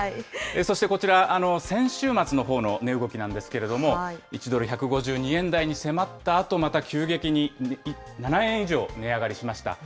そしてこちら、先週末のほうの値動きなんですけれども、１ドル１５２円台に迫ったあと、また急激に７円以上値上がりしました。